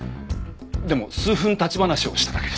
でも数分立ち話をしただけです。